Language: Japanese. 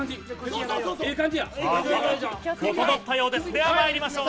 では、まいりましょう。